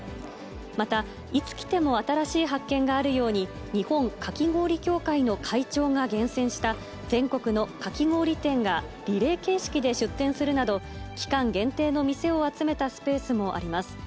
また、いつ来ても新しい発見があるように、日本かき氷協会の会長が厳選した、全国のかき氷店がリレー形式で出店するなど、期間限定の店を集めたスペースもあります。